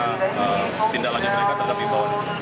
bagaimana tindaklanjutan mereka terhadap imporan